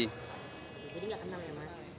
jadi gak kenal ya mas